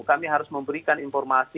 kami harus memberikan informasi